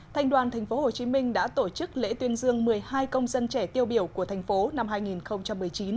thành đoàn tp hcm đã tổ chức lễ tuyên dương một mươi hai công dân trẻ tiêu biểu của thành phố năm hai nghìn một mươi chín